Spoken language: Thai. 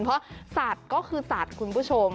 เพราะสัตว์ก็คือสัตว์คุณผู้ชม